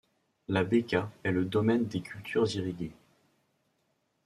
La Bekaa est le domaine des cultures irriguées.